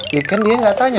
lihat kan dia nggak tanya